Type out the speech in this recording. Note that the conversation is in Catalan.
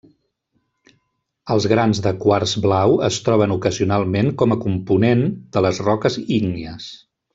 Els grans de quars blau es troben ocasionalment com a component de les roques ígnies.